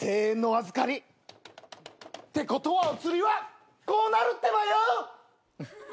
２，０００円のお預かり。ってことはおつりはこうなるってばよ！